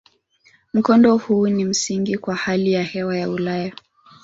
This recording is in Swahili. Mkondo huu ni msingi kwa hali ya hewa ya Ulaya.